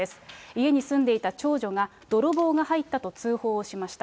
家に住んでいた長女が、泥棒が入ったと通報しました。